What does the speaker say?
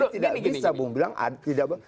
tidak bisa bu